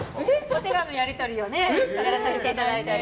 お手紙のやり取りをさせていただいたり。